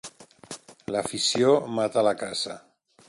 L'afició mata la caça.